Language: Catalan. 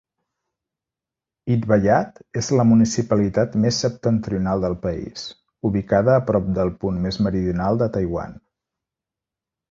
Itbayat és la municipalitat més septentrional del país, ubicada a prop del punt més meridional de Taiwan.